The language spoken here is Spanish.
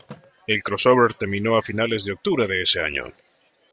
El crossover terminó a finales de octubre de ese año.